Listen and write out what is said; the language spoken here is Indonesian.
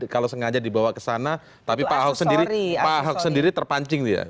kalau sengaja dibawa ke sana tapi pak hock sendiri terpancing ya